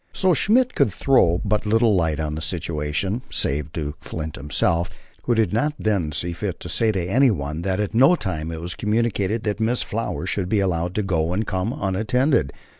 So Schmidt could throw but little light upon the situation, save to Flint himself, who did not then see fit to say to anyone that at no time was it covenanted that Miss Flower should be allowed to go and come unattended.